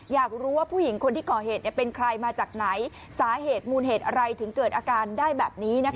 อยากรู้ว่าผู้หญิงคนที่ก่อเหตุเป็นใครมาจากไหนสาเหตุมูลเหตุอะไรถึงเกิดอาการได้แบบนี้